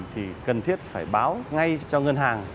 thì cần thiết phải báo ngay cho ngân hàng